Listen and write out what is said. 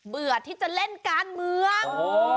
เบื่อที่จะเล่นการเมือง